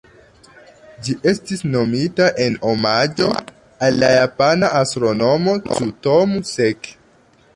Ĝi estis nomita en omaĝo al la japana astronomo Tsutomu Seki.